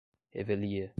revelia